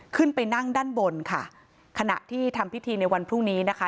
ขึ้นไปนั่งด้านบนค่ะขณะที่ทำพิธีในวันพรุ่งนี้นะคะ